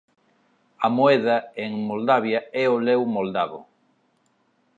A moeda en Moldavia é o leu moldavo.